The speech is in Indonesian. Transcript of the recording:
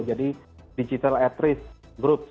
digital at risk group